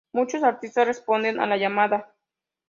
Muchos artistas responden a la llamada.